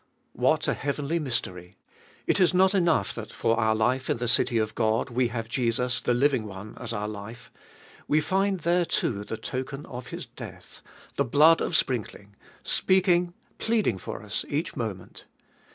What a heavenly mystery ! It is not enough that for our life in the city of God we have Jesus, the living One, as our life ; we find there too the token of His death — the blood of sprinkling, speaking, pleading for us each moment.